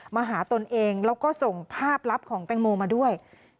มาหาตนเองแล้วก็ส่งภาพลับของแตงโมมาด้วย